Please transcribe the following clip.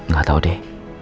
gak tahu deh